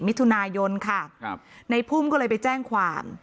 มิถุนายนค่ะครับในพุ่มก็เลยไปแจ้งความ